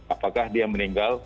apakah dia meninggal